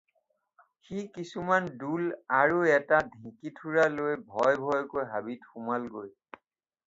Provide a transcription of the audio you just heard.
সি কিছুমান ডোল আৰু এটা ঢেঁকীথোৰা লৈ ভয়-ভয়কৈ হাবিত সোমালগৈ।